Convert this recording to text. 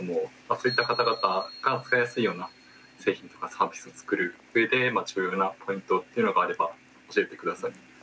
そういった方々が使いやすいような製品とかサービスを作る上で重要なポイントっていうのがあれば教えて下さい。